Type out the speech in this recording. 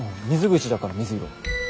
水口だから水色。